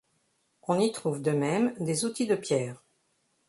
On y trouve de même des outils de pierre.